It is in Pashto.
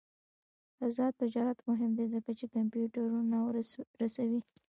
آزاد تجارت مهم دی ځکه چې کمپیوټرونه رسوي.